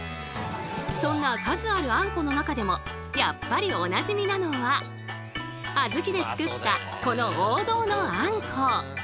そんな数ある「あんこ」の中でもやっぱりおなじみなのはあずきで作ったこの王道のあんこ。